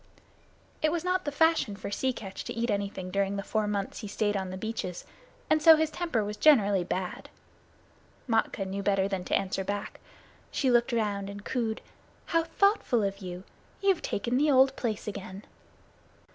It was not the fashion for Sea Catch to eat anything during the four months he stayed on the beaches, and so his temper was generally bad. Matkah knew better than to answer back. She looked round and cooed: "How thoughtful of you. You've taken the old place again."